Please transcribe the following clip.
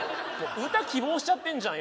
歌希望しちゃってんじゃんよ